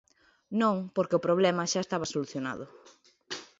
Non, porque o problema xa estaba solucionado.